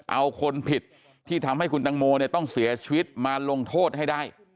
เอาคนผิดที่ทำให้คุณตังโมต้องเสียชีวิตมาลงโทษให้ได้